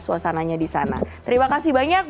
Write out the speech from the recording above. suasananya di sana terima kasih banyak